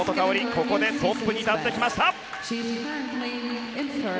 ここでトップに立ってきました！